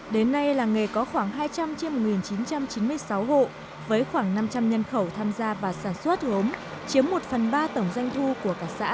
đến nay làng nghề có khoảng hai trăm linh trên một chín trăm chín mươi sáu hộ với khoảng năm trăm linh nhân khẩu tham gia và sản xuất gốm chiếm một phần ba tổng doanh thu của cả xã